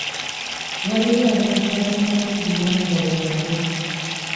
Waliwo abantu abatamanyi buwangwa bwabwe.